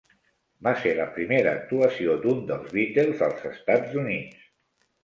Va ser la primera actuació d'un dels Beatles al Estats Units.